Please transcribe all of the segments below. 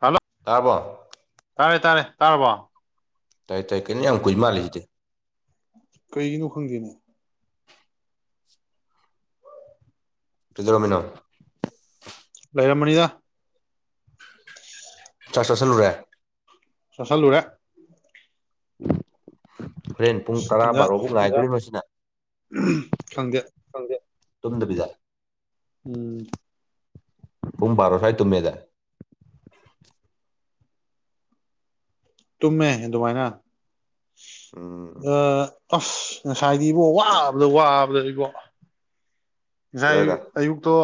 hello ꯇꯥꯔꯕꯣ ꯇꯥꯔꯦ ꯇꯥꯔꯦ ꯇꯥꯔꯕꯣ ꯇꯥꯏ ꯇꯥꯏ ꯀꯩꯅꯣ ꯌꯥꯝ ꯀꯨꯏ ꯃꯥꯜꯂꯦ ꯁꯤꯗꯤ ꯀꯩꯒꯤꯅꯣ ꯈꯪꯗꯦꯅꯦ ꯀꯩꯗꯧꯔꯝꯃꯤꯅꯣ ꯂꯩꯔꯝꯕꯅꯤꯗ ꯆꯥꯛ ꯆꯥꯁꯜꯂꯨꯔꯦ ꯆꯥꯁꯜꯂꯨꯔꯦ ꯍꯣꯔꯦꯟ ꯄꯨꯡ ꯇꯔꯥ ꯏꯟꯖꯥꯡ ꯕꯥꯔꯣꯕꯨꯛ ꯉꯥꯏꯗꯣꯔꯤꯕ ꯁꯤꯅ ꯈꯪꯗꯦ ꯈꯪꯗ‌ꯦ ꯇꯨꯝꯗꯕꯤꯗ ꯎꯝ ꯄꯨꯡ ꯕꯥꯔꯣ ꯁ꯭ꯋꯥꯏꯗ ꯇꯨꯝꯃꯦꯗꯥꯏ ꯇꯨꯝꯃꯦ ꯑꯗꯨꯃꯥꯏꯅ ꯎꯝ ꯑ ꯑꯁ ꯉꯁꯥꯏꯗꯤ ꯏꯕꯣ ꯋꯥꯕꯗ ꯋꯥꯕꯗ ꯏꯕꯣ ꯉꯁꯥꯏ ꯀꯗꯥꯏꯗ ꯑꯌꯨꯛꯇꯣ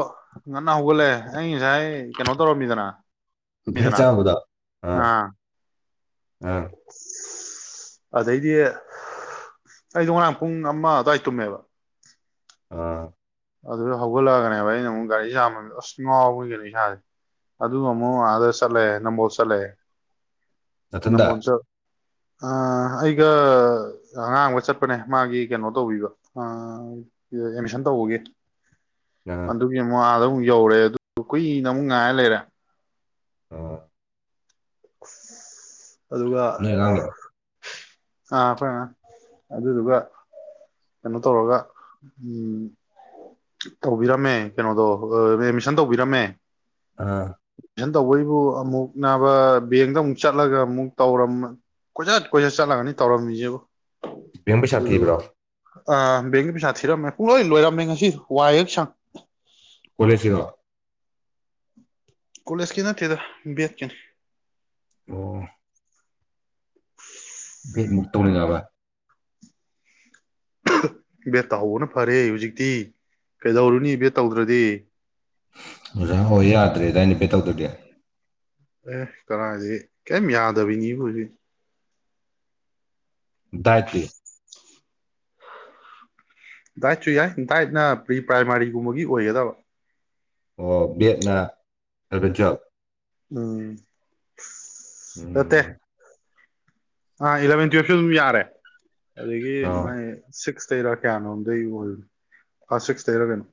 ꯉꯟꯅ ꯍꯧꯒꯠꯂ‌ꯦ ꯑꯩ ꯉꯁꯥꯏ ꯀꯩꯅꯣ ꯇꯧꯔꯝꯃꯤꯗꯅ ꯉꯁꯥꯏ ꯃꯤꯗꯅ ꯆꯥꯕꯗꯣ ꯑꯥ ꯑꯥ ꯑꯗꯩꯗꯤ ꯑꯩꯗꯣ ꯉꯔꯥꯡ ꯄꯨꯡ ꯑꯃ ꯑꯗꯨꯋꯥꯏ ꯇꯨꯝꯃꯦꯕ ꯑ ꯑꯗꯨꯗ ꯍꯧꯒꯠꯂꯛꯑꯒꯅꯦꯕ ꯑꯩꯅ ꯑꯃꯨꯛ ꯒꯥꯔꯤ ꯆꯥꯃꯝꯗ ꯑꯁ ꯉꯥꯎꯕꯅꯤ ꯀꯩꯅꯣ ꯏꯁꯥꯁꯦ ꯑꯗꯨꯒ ꯑꯃꯨꯛ ꯑꯥꯗ ꯆꯠꯂꯦ ꯅꯝꯕꯣꯜ ꯆꯠꯂꯦ ꯅꯊꯟꯗ ꯅꯝꯕꯣꯜ ꯆꯠ ꯑ ꯑꯩꯒ ꯑꯉꯥꯡ ꯑꯃꯒ ꯆꯠꯄꯅꯦ ꯃꯥꯒꯤ ꯀꯩꯅꯣ ꯇꯧꯕꯤꯕ ꯑ ꯑꯦꯗꯃꯤꯁꯟ ꯇꯧꯕꯒꯤ ꯑꯥ ꯑꯗꯨꯒꯤ ꯑꯃꯨꯛ ꯑꯥꯗ ꯑꯃꯨꯛ ꯌꯧꯔꯨꯔꯦ ꯑꯗꯨꯒ ꯀꯨꯏꯅ ꯑꯃꯨꯛ ꯉꯥꯏꯔ ꯂꯩꯔꯦ ꯑ ꯑꯁ ꯑꯗꯨꯒ ꯅꯣꯏ ꯑꯉꯥꯡꯂꯣ ꯑꯥ ꯑꯩꯈꯣꯏ ꯑꯉꯥꯡ ꯑꯗꯨꯗꯨꯒ ꯀꯩꯅꯣ ꯇꯧꯔꯒ ꯎꯝ ꯇꯧꯕꯤꯔꯝꯃꯦ ꯀꯩꯅꯣꯗꯣ ꯑꯦꯗꯃꯤꯁꯟ ꯇꯧꯕꯤꯔꯝꯃꯦ ꯑꯥ ꯑ‌ꯦꯠꯃꯤꯁꯟ ꯇꯧꯕꯩꯕꯨ ꯑꯃꯨꯛ ꯅꯥꯕ ꯕꯦꯡꯗ ꯑꯃꯨꯛ ꯆꯠꯂꯒ ꯑꯃꯨꯛ ꯇꯧꯔꯝꯃ‌ꯦ ꯀꯣꯏꯆꯠ ꯀꯣꯏꯆꯠ ꯆꯠꯂꯒꯅꯤ ꯇꯧꯔꯝꯃꯤꯁꯤꯕꯨ ꯕꯦꯡ ꯄꯩꯁꯥ ꯑꯗꯨꯗꯨꯒ ꯊꯤꯕ꯭ꯔꯣ ꯑ ꯕꯦꯡꯒꯤ ꯄꯩꯁꯥ ꯊꯤꯔꯝꯃꯦ ꯄꯨꯡꯂꯣꯏ ꯂꯣꯏꯔꯝꯃꯦ ꯉꯁꯤ ꯋꯥꯏ ꯍꯦꯛ ꯁꯪ ꯀꯂꯦꯖꯀꯤꯔ‌ꯣ ꯀꯣꯂꯦꯖꯀꯤ ꯅꯠꯇ‌ꯦꯗ ꯕꯦꯠꯀꯤꯅ‌ꯦ ꯑꯣ ꯕꯦꯠꯃꯨꯛ ꯇꯧꯅꯤꯡꯉꯛ ꯑꯕ꯭ꯔꯥ ꯕꯦꯠ ꯇꯧꯍꯧꯕꯅ ꯐꯔꯦ ꯍꯧꯖꯤꯛꯇꯤ ꯀꯩꯗꯧꯔꯨꯅꯤ ꯕꯦꯠ ꯇꯧꯗ꯭ꯔꯗꯤ ꯑꯣꯖꯥ ꯑ‌ꯣꯏ ꯌꯥꯗ꯭ꯔꯦꯗꯥꯏꯅ‌ꯦ ꯕ‌ꯦꯠ ꯇꯧꯗ꯭ꯔꯥꯗꯤ ꯑꯦ ꯀꯗꯥꯏꯗꯩ ꯀꯩꯝ ꯌꯥꯗꯕꯤꯅꯤꯕꯨ ꯍꯧꯖꯤꯛ ꯗꯥꯏꯠꯇꯤ ꯗꯥꯏꯠꯁꯨ ꯌꯥꯏ ꯗꯥꯏꯠꯅ ꯄ꯭ꯔꯤ ꯄ꯭ꯔꯥꯏꯃꯥꯔꯤꯒꯨꯝꯕꯒꯤ ꯑꯣꯏꯒꯗꯕ ꯑꯣ ꯕꯦꯠꯅ ꯏꯂꯚ‌ꯦꯟ ꯇꯨꯋꯜꯞ ꯎꯝ ꯎꯝ ꯑꯠꯇꯦ ꯑꯥ ꯏꯂꯚꯦꯟ ꯇꯨꯋꯜꯞꯁꯨ ꯑꯗꯨꯝ ꯌꯥꯔꯦ ꯑꯗꯒꯤ ꯑꯣ ꯃꯥꯏ ꯁꯤꯛꯁ ꯇꯩꯔ ꯀꯌꯥꯅꯣꯝꯗꯩ ꯑꯣꯏ ꯑꯥ ꯁꯤꯛꯁ ꯇꯩꯔ ꯀꯩꯅꯣ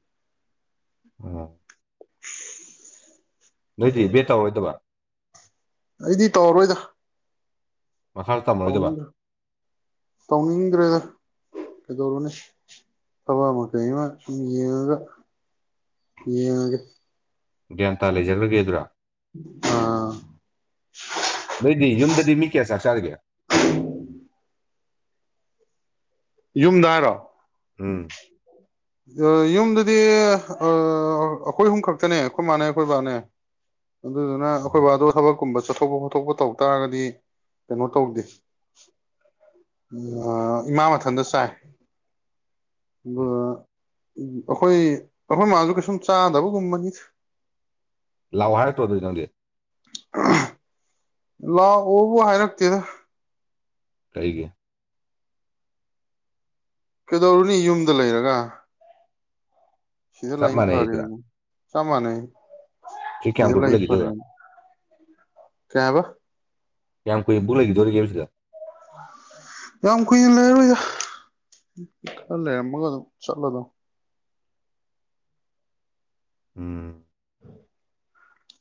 ꯑ [inaudible] ꯅꯣꯏꯗꯤ ꯕꯦꯠ ꯇꯧꯔꯣꯏꯗꯕ ꯑꯩꯗꯤ ꯇꯧꯔꯔꯣꯏꯗ ꯃꯈꯥ ꯇꯝꯃꯔꯣꯏꯗꯕ ꯇꯧꯅꯤꯡꯗ꯭ꯔ ꯇꯧꯅꯤꯡꯗ꯭ꯔꯦꯗ ꯀꯩꯗꯧꯔꯨꯅꯤ ꯊꯕꯛ ꯑꯃ ꯀꯩ ꯑꯃ ꯁꯨꯝ ꯌꯦꯡꯉꯒ ꯌꯦꯡꯉꯒ‌ꯦ ꯒ꯭ꯌꯥꯟ ꯇꯥ ꯂꯩꯖꯔꯒꯦ ꯑꯗꯨꯔꯥ ꯑꯥ ꯅꯣꯏꯗꯤ ꯌꯨꯝꯗꯗꯤ ꯃꯤ ꯀꯌꯥ ꯆꯥꯛ ꯆꯥꯔꯤꯒꯦ ꯌꯨꯝꯗ ꯍꯥꯏꯔꯣ ꯎꯝ ꯑꯥ ꯌꯨꯝꯗꯨꯗꯤ ꯑꯥ ꯑꯩꯈꯣꯏ ꯑꯍꯨꯝ ꯈꯛꯇꯅꯦ ꯑꯩꯈꯣꯏ ꯃꯥꯅꯦ ꯑꯩꯈꯣꯏꯕꯥꯅꯦ ꯑꯗꯨꯗꯨꯅ ꯑꯣ, ꯑꯩꯈꯣꯏ ꯕꯥꯗꯣ ꯊꯕꯛ ꯀꯨꯝꯕ ꯆꯠꯊꯣꯛꯄ ꯈꯣꯊꯣꯛꯄ ꯇꯧ ꯇꯥꯔꯒꯗꯤ ꯀꯩꯅꯣ ꯇꯧꯗꯦ ꯏꯃꯥ ꯃꯊꯟꯇ ꯆꯥꯏ ꯎꯝ ꯑꯗꯨꯒ ꯑꯩꯈꯣꯏ ꯑꯩꯈꯣꯏ ꯃꯥꯁꯨ ꯀꯩꯁꯨꯝ ꯆꯥꯗꯕꯒꯨꯝꯕꯅꯤꯗ ꯂꯥꯛꯑꯣ ꯍꯥꯏꯔꯛꯇ꯭ꯔꯣ ꯅꯪꯗꯤ ꯑ [unintelligible] ꯂꯥꯛꯑꯣꯕꯨ ꯍꯥꯏꯔꯛꯇꯦꯗ ꯀꯔꯤꯒꯤ ꯀꯩꯗꯧꯔꯨꯅꯤ ꯌꯨꯝꯗ ꯂꯩꯔꯒ ꯁꯤꯗ ꯆꯞ ꯂꯩ ꯃꯥꯟꯅꯩꯗꯨꯔꯥ ꯐꯔꯦꯅ ꯆꯥꯞ ꯃꯥꯟꯅꯩ ꯁꯤ ꯀꯌꯥꯝ ꯁꯤꯗ ꯀꯨꯏꯕꯨ ꯂꯩ ꯂꯩꯈꯤꯗꯣꯏꯕ ꯐꯔꯦꯅ ꯀꯩ ꯍꯥꯢꯕ ꯀꯌꯥꯝ ꯀꯨꯏꯕꯨꯛ ꯂꯩꯈꯤꯗꯣꯔꯤꯒꯦ ꯁꯤꯗ ꯌꯥꯝ ꯀꯨꯏꯅ ꯂꯩꯔꯔꯣꯏꯗ ꯈꯔ ꯂꯩꯔꯝꯃꯒ ꯑꯗꯨꯝ ꯆꯠꯂꯗꯝ ꯎꯝ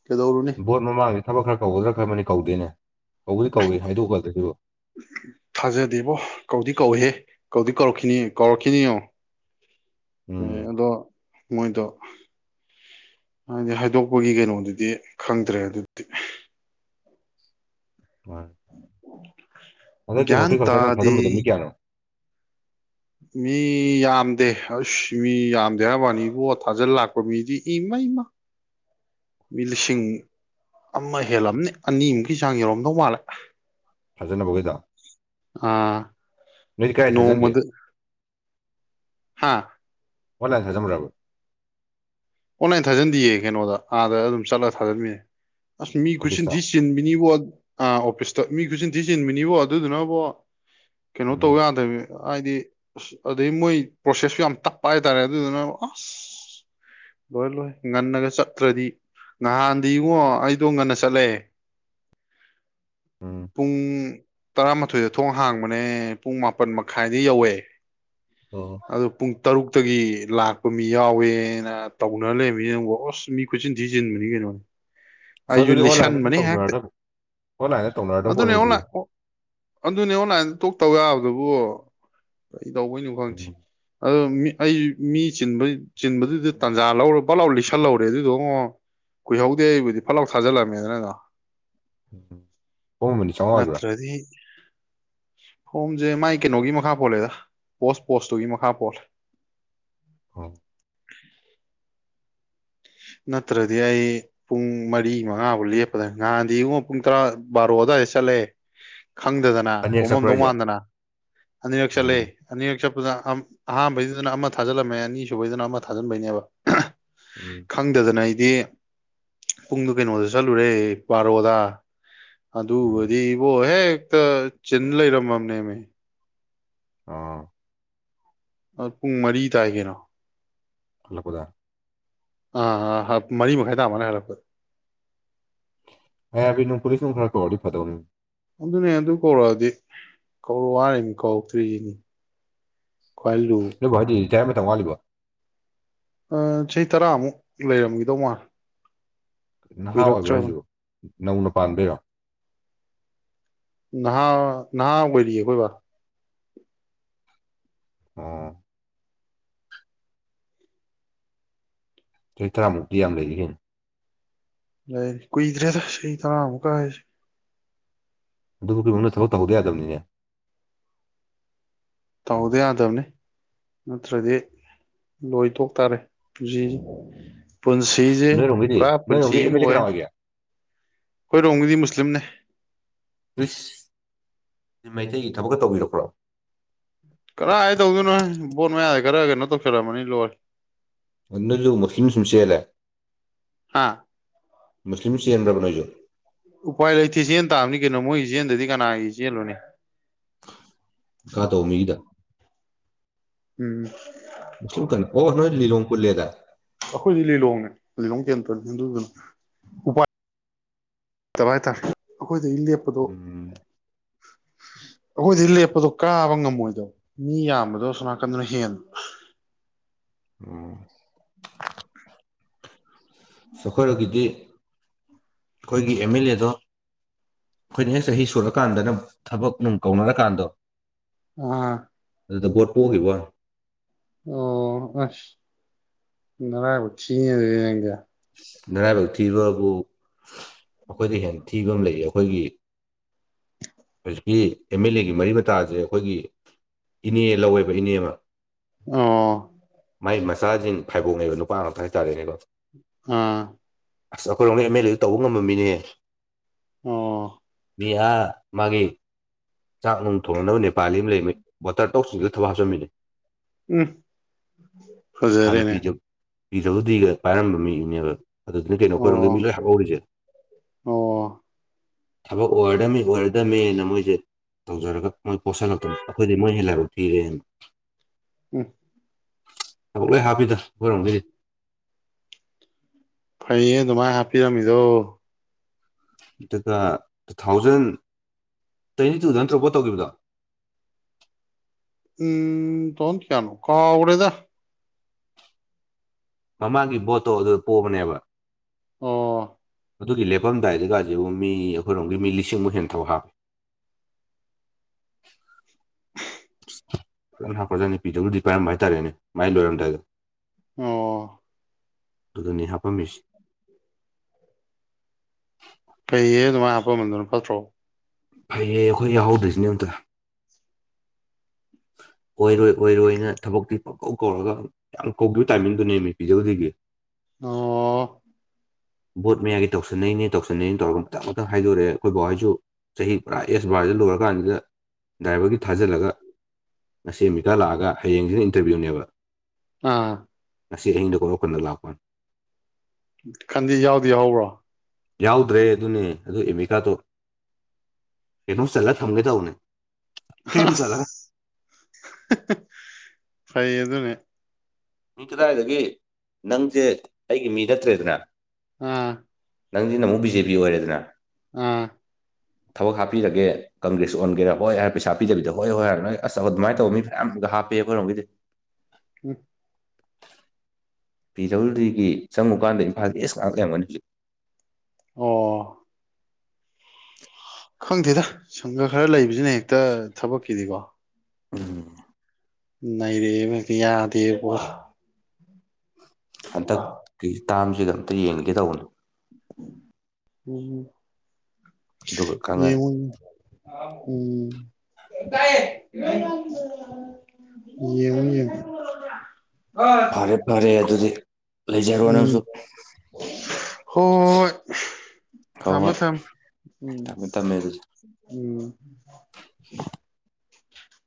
ꯀꯩꯗꯧꯔꯨꯅꯤ ꯃꯃꯥꯡꯁꯤ ꯊꯕꯛ ꯈꯔ ꯀꯧꯒꯗ꯭ꯔ ꯈꯟꯕꯅꯤ ꯀꯧꯗꯦꯅꯦ ꯀꯧꯕꯨꯗꯤ ꯀꯧꯏ ꯍꯥꯏꯗꯣꯛꯒꯗ꯭ꯔꯥ ꯁꯤꯕꯨ ꯊꯥꯖꯗꯦ ꯏꯕꯣ ꯀꯧꯗꯤ ꯀꯧꯍꯦ ꯀꯧꯗꯤ ꯀꯧꯔꯛꯈꯤꯅꯤ ꯀꯧꯔꯛꯈꯤꯅꯤꯉꯣ ꯑꯦ ꯎꯝ ꯑꯗꯣ ꯃꯣꯏꯗꯣ ꯍꯥꯏꯗꯤ ꯍꯥꯏꯗꯣꯛꯄꯒꯤ ꯀꯩꯅꯣꯗꯨꯗꯤ ꯈꯪꯗ꯭ꯔꯦ ꯑꯗꯨꯗꯤ ꯃꯥꯅꯦ ꯒ꯭ꯌꯥꯟ ꯍꯣꯔꯇꯤꯀꯜꯆꯔ ꯅꯪ ꯇꯥꯗꯦ ꯊꯥꯖꯟꯕꯗꯣ ꯃꯤ ꯀꯌꯥꯅꯣ ꯃꯤ ꯌꯥꯝꯗꯦ ꯑꯁ ꯃꯤ ꯌꯥꯝꯗꯦ ꯍꯥꯏꯕꯥ ꯋꯥꯅꯤ ꯢꯕꯣ ꯊꯥꯖꯤꯜ ꯂꯥꯛꯄ ꯃꯤꯗꯤ ꯏꯃꯩꯃ [inaudible] ꯃꯤ ꯂꯤꯁꯤꯡ ꯑꯃ ꯍꯦꯜꯂꯝꯅꯤ ꯑꯅꯤꯃꯨꯛꯀꯤ ꯆꯥꯡ ꯌꯧꯔꯝꯗꯧ ꯃꯥꯜꯂꯦ ꯐꯖꯅꯕꯨ ꯎꯨꯢꯗ ꯑꯥ ꯅꯣꯏꯗꯤ ꯀꯥꯏ ꯊꯥꯖꯤꯟꯒꯦ ꯅꯣꯡꯃꯗ ꯍꯥ ꯑꯣꯟꯂꯥꯢꯟ ꯊꯥꯖꯤꯟꯕ꯭ꯔꯥ ꯑꯣꯟꯂꯥꯏꯟ ꯊꯥꯖꯟꯗꯤꯌꯦ ꯀꯩꯅꯣꯗ ꯑꯥꯗ ꯑꯗꯨꯝ ꯆꯠꯂꯒ ꯊꯥꯖꯟꯕꯤꯅꯦ ꯑꯁ ꯃꯤ ꯀꯨꯠꯁꯤꯟ ꯑꯣꯐꯤꯁꯇ ꯊꯤꯅ ꯆꯤꯟꯕꯤꯅꯤꯕꯣ ꯑꯥ ꯑꯣꯐꯤꯁꯇ ꯃꯤ ꯈꯨꯆꯤꯟ ꯊꯤ ꯆꯤꯟꯕꯤꯅꯤꯕꯣ ꯑꯗꯨꯗꯨꯅꯕꯣ ꯀꯩꯅꯣ ꯇꯧ ꯎꯝ ꯌꯥꯗꯕꯤ ꯍꯥꯏꯗꯤ ꯑꯁ ꯑꯗꯩ ꯃꯣꯏ ꯄ꯭ꯔꯣꯁꯦꯁꯁꯨ ꯌꯥꯝ ꯇꯞꯄ ꯍꯥꯏꯇꯥꯔꯦ ꯑꯗꯨꯗꯨꯅ ꯑꯁ ꯂꯣꯏ ꯂꯣꯏ ꯉꯟꯅꯒ ꯆꯠꯇ꯭ꯔꯗꯤ ꯅꯍꯥꯟꯗꯤ ꯏꯉꯣ ꯑꯩꯗꯣ ꯉꯟꯅ ꯆꯠꯂꯦ [inaudible] ꯎꯝ ꯄꯨꯡ ꯇꯔꯥꯃꯥꯊꯣꯏꯗ ꯊꯣꯛ ꯍꯥꯡꯕꯅꯦ ꯄꯨꯡ ꯃꯥꯄꯟ ꯃꯈꯥꯏꯗ ꯌꯧꯋꯦ ꯑꯣ ꯑꯗ ꯄꯨꯡ ꯇꯔꯨꯛꯇꯒꯤ ꯂꯥꯛꯄ ꯃꯤ ꯌꯥꯎꯋꯦꯅ ꯇꯧꯅꯥꯔ ꯂꯩꯔꯃꯤꯅꯤ ꯅꯪꯕꯨ ꯑꯣꯁ ꯃꯤ ꯈꯨꯠꯆꯤꯟ ꯊꯤ ꯆꯤꯟꯕꯅꯤ ꯀꯩꯅꯣ ꯑꯁ ꯑꯩꯁꯨ ꯑꯗꯨꯗꯤ ꯑꯣꯟꯂꯥꯏꯟꯗ ꯁꯨꯝ ꯂꯤꯁꯟꯕꯅꯤ ꯍꯦꯛꯇ ꯇꯧꯅꯔꯗꯕ ꯑꯣꯟꯂꯥꯏꯟꯗ ꯇꯧꯅꯔꯗꯕ ꯑꯗꯨꯅꯦ ꯄꯣꯠꯅꯤ ꯑꯣ ꯑꯗꯨꯗꯤ ꯂꯥꯛꯑꯣ ꯑꯗꯨꯅꯦ ꯑꯣꯟꯂꯥꯏꯟꯗ ꯇꯣꯛ ꯇꯧ ꯌꯥꯕꯗꯨꯕꯨ ꯀꯩ ꯇꯧꯕꯩꯅꯣ ꯈꯪꯗꯦ ꯎꯝ ꯑꯗꯣ ꯑꯩ ꯃꯤ ꯆꯤꯟ ꯆꯤꯟꯕꯗꯨꯗ ꯇꯟꯖꯥ ꯂꯧꯔ ꯐꯠ ꯂꯧꯅ ꯂꯤꯁꯟ ꯍꯧꯔꯦ ꯑꯗꯨꯗꯣꯉꯣ ꯀꯨꯏꯍꯧꯗꯦ ꯑꯩꯕꯨꯗꯤ ꯐꯠ ꯂꯥꯎ ꯊꯥꯖꯤꯜꯂꯝꯃꯦꯗꯅ ꯑꯗꯣ ꯎꯝ ꯍꯣꯡꯉꯝꯕꯅꯤ ꯆꯥꯝꯃꯉꯥ ꯑꯣꯏꯕ꯭ꯔꯥ ꯅꯠꯇ꯭ꯔꯗꯤ ꯍꯣꯝꯖꯦ ꯃꯥꯏ ꯀꯩꯅꯣꯒꯤ ꯃꯈꯥ ꯄꯣꯜꯂꯦꯗ ꯄꯣꯁ ꯄꯣꯁꯇꯨꯒꯤ ꯃꯈꯥ ꯄꯣꯜꯂꯦ ꯑꯣ ꯅꯠꯇ꯭ꯔꯗꯤ ꯑꯩ ꯄꯨꯡ ꯃꯔꯤ ꯃꯉꯥꯐꯥꯎ ꯂꯦꯞꯄꯗ ꯅꯍꯥꯟꯗꯤꯉꫭ ꯄꯨꯡ ꯇꯔꯥ ꯕꯥꯔꯣ ꯑꯗꯨꯋꯥꯏꯗ ꯆꯠꯂꯦ ꯈꯪꯗꯗꯅ ꯑꯅꯤꯔꯛ ꯆꯠꯄ꯭ꯔꯥ ꯀꯣꯝꯃꯝꯗꯧ ꯃꯥꯟꯗꯅ ꯑꯅꯤꯔꯛ ꯆꯠꯂꯦ ꯎꯝ ꯑꯅꯤꯔꯛ ꯆꯠꯄꯗ ꯁꯥ ꯑꯍꯥꯥꯟꯕꯩꯗꯨꯗꯅ ꯑꯃ ꯊꯥꯖꯜꯂꯝꯃꯦ ꯑꯅꯤꯁꯨꯨꯕꯩꯗꯨꯅ ꯑꯃ ꯊꯥꯖꯟꯕꯩꯅꯦꯕ ꯎꯝ ꯈꯪꯗꯗꯅ ꯑꯩꯗꯤ ꯄꯨꯡꯗꫭ ꯀꯩꯅꯣꯗ ꯆꯠꯂꯨꯔꯦ ꯕꯥꯔꯣꯗ ꯎꯝ ꯑꯗꯨꯒꯗꯤꯕꫭ ꯍꯦꯛꯇ ꯆꯤꯟ ꯂꯩꯔꯝꯃꯝꯅꯦꯃꯦ ꯑꯥ ꯑꯗꯨ ꯄꯨꯡ ꯃꯔꯤ ꯇꯥꯏ ꯀꯩꯅꯣ ꯍꯜ ꯂꯛꯄꯗ ꯑ ꯑ ꯍꯜꯂꯛ ꯃꯔꯤ ꯃꯈꯥꯏ ꯇꯥꯕ ꯑꯗꯥꯏ ꯍꯜꯂꯛꯄꯗ ꯑꯥꯏ ꯑꯥꯔ ꯕꯤꯅꯨꯡ ꯄꯨꯂꯤꯁ ꯅꯨꯡ ꯈꯔ ꯀꯧꯔꯗꯤ ꯐꯗꯧꯅꯤ ꯑꯗꯨꯅꯦ ꯑꯗꯨ ꯀꯧꯔꯛꯑꯗꯤ ꯀꯧꯔꯛꯑꫭ ꯍꯥꯏꯅꯤ ꯀꯧꯔꯛꯇ꯭ꯔꯤꯁꯤꯅꯤ ꯈꯋꯥꯏ ꯂꯨ ꯅꫭꯏꯕꯥ ꯍꫭꯏꯗꯤ ꯂꯤꯇꯥꯌꯔ ꯃꯇꯝ ꯋꯥꯠꯂꯤꯕꫭ ꯑ ꯆꯍꯤ ꯇꯔꯥꯃꯨꯛ ꯂꯩꯔꯝꯒꯤꯗꯧ ꯃꯥꯜꯂꯦ ꯅꯍꯥ ꯑꯣꯏꯕ꯭ꯔꯣ ꯀꯨꯏꯔꯛꯇ꯭ꯔꯕꯅꯤ ꯍꯥꯏꯖꯤꯕꫭ ꯅꯧꯅ ꯄꯥꯟꯕꯩꯔꯣ ꯅꯍꯥ ꯅꯍꯥ ꯑꯣꯏꯔꯤꯌꯦ ꯑꯩꯈꯣꯏ ꯕꯥ ꯑꫭ ꯆꯍꯤ ꯇꯔꯥꯃꯨꯛꯇꯤ ꯌꯥꯝ ꯂꯩꯔꯤ ꯀꯩꯅꫭ ꯂꯩ ꯀꯨꯏꯗ꯭ꯔꯦꯗ ꯆꯍꯤ ꯇꯔꯥꯃꯨꯛꯀ ꯍꯥꯏꯖꯦ ꯑꯗꯨꯕꯨꯛꯀꯤ ꯃꯅꯨꯡꯗ ꯊꯕꯛ ꯇꯧꯍꯧꯗ ꯌꯥꯗꯕꯅꯤꯅꯦ ꯇꯧꯍꯧꯗ ꯌꯥꯗꯝꯅꯦ ꯅꯠꯇ꯭ꯔꯗꯤ ꯂꯣꯏꯊꯣꯛ ꯇꯥꯔꯦ ꯄꯨꯟꯁꯤꯖꯤ ꯄꯨꯟꯁꯤꯁꯦ ꯅꯣꯏꯔꯣꯝꯒꯤꯗꯤ ꯄꯨꯔꯥ ꯄꯨꯟꯁꯤ ꯅꯣꯏꯔꯣꯝꯒꯤ ꯑꯦꯝ ꯑꯃ ꯑꯦꯜ ꯑꯦ ꯑꯣꯏ ꯀꯅꯥ ꯑꯣꯏꯒꯦ ꯑꯩꯈꯣꯏꯔꯣꯝꯒꯤꯗꯤ ꯃꯨꯁꯂꯤꯝꯅꯦ ꯏꯁ ꯃꯩꯇꯩꯒꯤ ꯊꯕꯛꯀ ꯇꯧꯕꯤꯔꯛꯄꯔꫭ ꯀꯗꯥꯏ ꯇꯧꯗꯣꯏꯅꯣꯍꯦ ꯕꯣꯠ ꯃꯌꯥꯗ ꯈꯔ ꯀꯩꯅꯣ ꯇꯧꯁꯜ ꯂꯝꯃꯅꯤ ꯂꫭꯏꯔꯦ ꯑꯗꯗꯨꯝ ꯃꯨꯁꯂꯤꯝ ꯁꯨꯝ ꯆꯦꯜꯂꯦ ꯍꯥꯥ ꯃꯨꯁꯂꯤꯝ ꯆꯦꯟꯕ꯭ꯔꯕ ꯅꯣꯏꯁꯨ ꯎꯄꯥꯏ ꯂꯩꯇꯦ ꯆꯦꯟ ꯇꯥꯕꯅꯤ ꯀꯩꯅꯣ ꯃꯣꯏꯒꯤ ꯆꯦꯟꯗꯗꯤ ꯀꯅꯥꯒꯤ ꯆꯦꯟꯂꯨꯅꯤ ꯀꯥꯗꯧ ꯃꯤꯒꯤꯗ ꯎꯝ ꯃꯨꯁꯂꯤꯝ ꯀꯟ ꯑꯣ ꯅꯣꯏ ꯂꯤꯂꯣꯡ ꯄꯨꯜꯂꯦꯗꯥꯏ ꯑꯩꯈꯣꯏꯗꯤ ꯂꯤꯂꯣꯡꯅꯦ ꯂꯤꯂꯣꯡ ꯀꯦꯟꯗ꯭ꯔ ꯑꯗꯨꯗꯨꯅ ꯎꯄꯥꯏ ꯇꯕ ꯍꯥꯏꯇꯥꯔꯦ ꯑꯩꯈꯣꯏꯗꯒꯤ ꯂꯦꯞꯄꯗꯣ ꯎꯝ ꯑꯩꯈꯣꯏꯗꯒꯤ ꯂꯦꯞꯄꯗꯣ ꯀꯥꯕ ꯉꯝꯃꯣꯏꯗꯕ ꯃꯤ ꯌꯥꯝꯕꯗꯣ ꯑꯁꯣꯟꯅꯥꯀꯟꯗꯅ ꯍꯦꯟꯕ ꯎꯝ ꯑꯩꯈꯣꯏꯔꫭꯝꯒꯤꯗꯤ ꯑꯩꯈꯣꯏꯒꯤ ꯑꯦꯝ ꯃꯦꯂꯦꯗꫭ ꯑꯩꯈꯣꯏꯅ ꯍꯦꯛ ꯆꯍꯤ ꯁꯨꯔꯀꯥꯟꯗꯅ ꯊꯕꯛ ꯅꯨꯡ ꯀꯧꯅꯔꯀꯥꯟꯗꯣ ꯑ ꯑꯗꯨꯗ ꯚꯣꯠ ꯄꯣꯒꯤꯕꫭꯋꯥꯅꯤ ꯑꯣ ꯑꯁ ꯅꯔꯥꯏꯕꯛ ꯊꯤꯅꯦ ꯑꯗꯨꯗꯤ ꯅꯪꯖꯦ ꯅꯔꯥꯏꯕꯛ ꯊꯤꯕꯕꯨ ꯑꯩꯈꯣꯏꯗꯩ ꯍꯦꯟ ꯊꯤꯕ ꯑꯃ ꯂꯩꯌꯦ ꯑꯩꯈꯣꯏꯒꯤ ꯍꯧꯖꯤꯛꯀꯤ ꯑꯦꯝ ꯑꯦꯜ ꯑꯦꯒꯤ ꯃꯔꯤ ꯃꯇꯥꯁꯦ ꯑꯩꯈꯣꯏꯒꯤ ꯏꯅꯦ ꯂꯧꯋꯦꯕ ꯏꯅꯦ ꯑꯃ ꯑꯣ ꯃꯥꯏ ꯃꯆꯥꯖꯤꯡ ꯐꯥꯏꯕꯣꯛꯅꯦꯕ ꯅꯨꯄꯥ ꯉꯥꯛꯇ ꯍꯥꯏꯇꯥꯔꯦꯅꯦꯀꯣ ꯑꯥ ꯑꯁ ꯑꯩꯈꯣꯏꯔꯣꯝꯒꯤ ꯑꯦꯝ ꯑꯦꯜ ꯑꯦꯖꯦ ꯇꯧꯕ ꯉꯝꯕ ꯃꯤꯅꯤꯍꯦ ꯑꯣ ꯃꯤ ꯑꯥ ꯃꯥꯒꯤ ꯆꯥꯛ ꯅꯨꯡ ꯊꯣꯡꯅꯕ ꯅꯦꯄꯥꯂꯤ ꯑꯃ ꯂꯩꯃꯤ ꯕꯣꯇꯔ ꯊꯣꯛ ꯆꯟꯖꯜꯂꯥ ꯊꯕꯛ ꯍꯥꯞꯆꯤꯟꯕꯤꯅꯤ ꯎꯝ ꯍꯥꯅ [unintelligible] ꯄꯤ ꯐꯖꯔꯦꯅꯦ ꯗꯕꯂꯤꯎ ꯗꯤ ꯒ ꯄꯥꯏꯔꯝꯕ ꯃꯤꯗꯨꯅꯦꯕ ꯑꯗꯨꯗꯨꯅ ꯀꯩꯅꯣ ꯑꯩꯈꯣꯏꯔꯣꯝꯒꯤ ꯃꯤ ꯑꯣ ꯂꯣꯏ [unintelligible] [unintelligible] ꯑꯣ ꯊꯕꯛ ꯑꯣꯏꯔꯗꯝꯃꯤ ꯑꯣꯏꯔꯗꯝꯃꯦꯅ ꯃꯣꯏꯁꯦ ꯇꯧꯖꯔꯒ ꯃꯣꯏ ꯄꯣꯠꯁꯤꯜꯂꯛꯇꯅ ꯑꯩꯈꯣꯏꯗꯩ ꯃꯣꯏꯅ ꯍꯦꯟ ꯂꯥꯏꯕꯛ ꯊꯤꯔꯦꯅ ꯎꯝ ꯊꯕꯛ ꯂꯣꯏ ꯍꯥꯞꯄꯤꯗ ꯑꯩꯈꯣꯏꯔꯣꯝꯒꯤꯗꯤ ꯐꯩꯌꯦ ꯑꯗꯨꯃꯥꯏꯅ ꯍꯥꯞꯄꯤꯔꯝꯃꯤꯗꯣ ꯑꯗꯨꯒ ꯇꯨ ꯊꯥꯎꯖꯟ ꯇ꯭ꯋꯦꯟꯇꯤ ꯇꯨꯗ ꯅꯇ꯭ꯔꯣ ꯕꯣꯠ ꯇꯧꯈꯤꯕꯗꯣ ꯎꯝ ꯇꯨ ꯊꯥꯑꯣꯖꯟ ꯀꯌꯥꯅꯣ ꯀꯥꯎꯔꯦꯗ ꯃꯃꯥꯡꯒꯤ ꯕꯣꯠꯇꯣ ꯑꯗꯨꯗ ꯄꯣꯕꯅꯦꯕ ꯑꯣ ꯑꯗꯨꯒꯤ ꯂꯦꯞꯄꯝꯗꯥꯏꯗꯒꯥꯁꯤꯕꯨ ꯃꯤ ꯑꯩꯈꯣꯏꯔꯣꯝꯒꯤ ꯃꯤ ꯂꯤꯁꯤꯡꯃꯨꯛ ꯍꯦꯟ ꯊꯕꯛ ꯍꯥꯞꯄꯦ ꯐꯖꯅ ꯍꯥꯞꯈ꯭ꯔꯖꯥꯠꯅꯤ ꯄꯤꯗꯕꯂꯤꯌꯨꯗꯤ ꯄꯥꯏꯔꯝꯕ ꯍꯥꯏꯇꯥꯔꯦꯅꯦ ꯃꯥꯏ ꯂꯣꯏꯔꯝꯗꯥꯏꯗ ꯑꯣ ꯑꯗꯨꯗꯅꯤ ꯍꯥꯞꯄꯝꯃꯤꯁꯤ ꯐꯩꯌꯦ ꯑꯗꯨꯃꯥꯏ ꯍꯥꯞꯄꯝꯕꯗꯨꯅ ꯐꯠꯇ꯭ꯔꯣ ꯐꯩꯌꯦ ꯑꯩꯈꯣꯏ ꯌꯥꯎꯍꯧꯗ꯭ꯔꯤꯁꯤꯅꯤ ꯑꯝꯇ ꯑꯣꯏꯔꯣꯏ ꯑꯣꯏꯔꯣꯏꯅ ꯊꯕꯛꯇꯤ ꯄꯪ ꯀꯧ ꯀꯧꯔꯒ ꯌꯥꯝ ꯀꯧꯈꯤꯕ ꯇꯥꯏꯃꯤꯡꯗꯨꯅꯦꯃꯤ ꯄꯤꯗꯕꯂꯤꯌꯨꯗꯤꯒꯤ ꯑꯣ ꯕꯣꯠ ꯃꯌꯥꯒꯤ ꯇꯧꯁꯤꯟꯅꯩꯅꯦ ꯇꯧꯁꯟꯅꯩꯅ ꯇꯧꯔꯒ ꯃꯊꯪ ꯃꯊꯪ ꯍꯥꯏꯗꯣꯔꯛꯑꯦ ꯑꯩꯈꯣꯏ ꯕꯥ ꯍꯣꯏꯁꯨ ꯆꯍꯤ ꯄꯨꯔꯥ ꯑꯦꯁ ꯕꯥꯔꯖꯦ ꯂꯣꯏꯔꯀꯥꯟꯁꯤꯗ ꯗ꯭ꯔꯥꯏꯚꯔꯒꯤ ꯊꯥꯖꯤꯜꯂꯒ ꯉꯁꯤ ꯑꯦꯗꯃꯤꯀꯥꯔꯗ ꯂꯥꯛꯑꯒ ꯍꯌꯦꯡꯁꯤꯅ ꯏꯟꯇꯔꯚꯤꯌꯨꯅꯦꯕ ꯑꯥ ꯉꯁꯤ ꯑꯍꯤꯡꯗ [unintelligible] ꯂꯥꯛꯄꯋꯥꯅꯤ ꯈꯟꯗꯤ ꯌꯥꯎꯗꯤ ꯌꯥꯎꯕ꯭ꯔꯣ ꯌꯥꯎꯗ꯭ꯔꯦ ꯑꯗꯨꯅꯦ ꯑꯗꯨ ꯑꯦꯃꯤꯀꯥꯔꯗꯇꯣ ꯀꯩꯅꯣ ꯆꯂ ꯊꯝꯒꯦ ꯇꯧꯕꯅꯦ ꯐꯦꯝ ꯆꯂꯒ ꯑꯁ ꯐꯩ ꯑꯗꯨꯅ ꯍꯦꯛ ꯀꯗꯥꯏꯗꯒꯤ ꯅꯪꯁꯦ ꯑꯩꯒꯤ ꯃꯤ ꯅꯠꯇ꯭ꯔꯦꯗꯅ ꯑꯥ ꯅꯪꯁꯤꯅ ꯑꯃꯨꯛ ꯕꯤ ꯖꯦ ꯄꯤ ꯑꯣꯏꯔꯦꯗꯅ ꯎꯝ ꯊꯕꯛ ꯍꯥꯞꯄꯤꯔꯒꯦ ꯀꯪꯒꯔꯦꯖ ꯑꯣꯟꯒꯦꯔꯥ ꯍꯣꯏ ꯍꯥꯏꯔ ꯄꯩꯁꯥ ꯄꯤꯗꯕꯤꯗ ꯍꯣꯏ ꯍꯣꯏ ꯍꯥꯏꯔ ꯑꯁ ꯑ ꯑꯗꯨꯃꯥꯏ ꯇꯧꯕ ꯃꯤ ꯃꯌꯥꯝꯝꯒ ꯍꯥꯄꯦꯍꯦ ꯑꯩꯈꯣꯏꯔꯣꯝꯒꯤꯗꯤ [unintelligible] ꯄꯤ ꯗꯕ꯭ꯂꯤꯌꯨ ꯗꯤꯒꯤ ꯆꯪꯉꯨꯀꯥꯟꯗ ꯏꯝꯐꯥꯜꯒꯤ ꯏꯁ ꯉꯥꯛ ꯂꯩꯔꯝꯒꯅꯤ ꯍꯧꯖꯤꯛ ꯑꯣ ꯈꯪꯗꯦꯗ ꯁꯪꯒ ꯈꯔ ꯂꯩꯕꯁꯤꯅ ꯍꯦꯛꯇ ꯊꯕꯛꯀꯤꯗꯤꯀꯣ ꯎꯝ ꯅꯩꯔꯛꯑꯦꯕ ꯍꯦꯛꯇ ꯌꯥꯗꯦꯕ ꯍꯟꯗꯛꯀꯤ ꯇꯥꯝꯁꯤꯒ ꯑꯃꯇ ꯌꯦꯡꯒꯦ ꯇꯧꯕꯅꯦ ꯎꯝ ꯑꯗꯨꯒ ꯈꯪꯉꯅꯤ ꯌꯦꯉꯣ ꯎꯝ ꯇꯥꯏꯌꯦ [inaudible] ꯌꯦꯉꯣ ꯌꯦꯉꯣ ꯐꯔꯦ ꯐꯔꯦ ꯑꯗꯨꯗꯤ ꯂꯩꯖꯔꯣ ꯅꯪꯁꯨ ꯎꯝ ꯍꯣꯢ ꯍꯣꯏ ꯊꯝꯃꯦ ꯍꯣꯏ ꯊꯝꯃꯦ ꯎꯝ ꯊꯝꯃꯦ ꯊꯝꯃꯦ ꯑꯗꯨꯗꯤ ꯎꯝ